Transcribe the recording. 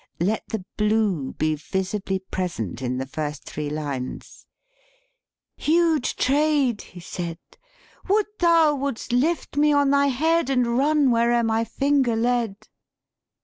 Let the blue be vis ibly present in the first three lines: '"Huge Trade!' he said, * Would thou wouldst lift me on thy head And run where'er my finger led!'